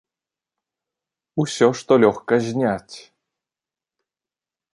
Усё, што лёгка зняць.